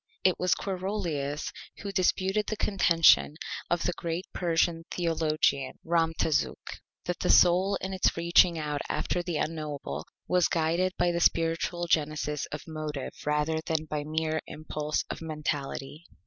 It was Quarolius who disputed the Contention of the great Persian Theologian Ramtazuk, that the Soul in its reaching out after the Unknowable was guided by the Spiritual Genesis of Motive rather than by mere Impulse of Mentality.